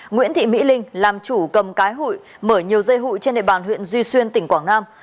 nguyễn thị mỹ linh làm chủ cầm cái hụi mở nhiều dây hụi trên đề bàn huyện duy xuyên tỉnh quảng nam